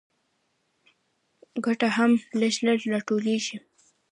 ګټه هم لږ لږ راټولېږي